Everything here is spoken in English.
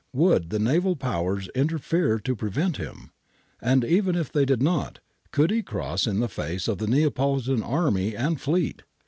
Would the naval Powers interfere to prevent him ? And even if they did not, could he cross in the face of the Neapolitan army and fleet